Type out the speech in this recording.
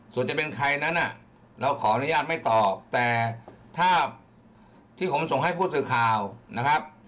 ส่วนจะเป็นใครนั้นเราขออนุญาตไม่ตอบแต่ถ้าที่ผมส่งให้ผู้สื่อข่าวนะครับ